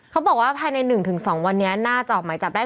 เขาบอกว่าภายใน๑๒วันนี้น่าจะออกหมายจับได้